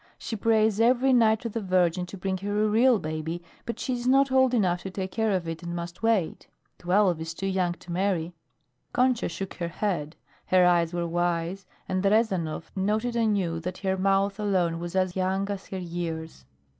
She prays every night to the Virgin to bring her a real baby, but she is not old enough to take care of it and must wait. Twelve is too young to marry." Concha shook her head. Her eyes were wise, and Rezanov noted anew that her mouth alone was as young as her years.